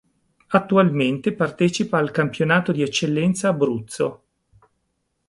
Attualmente partecipa al Campionato di Eccellenza Abruzzo.